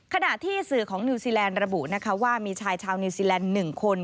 ขณะที่สื่อของนิวซีแลนด์ระบุนะคะว่ามีชายชาวนิวซีแลนด์๑คน